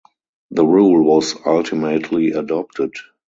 The rule was ultimately adopted.